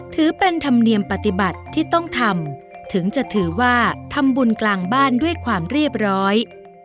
ถือเป็นธรรมเนียมปฏิบัติที่ต้องทำถึงจะถือว่าทำบุญกลางบ้านด้วยความเรียบร้อย